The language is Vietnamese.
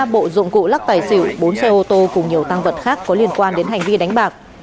ba bộ dụng cụ lắc tài xỉu bốn xe ô tô cùng nhiều tăng vật khác có liên quan đến hành vi đánh bạc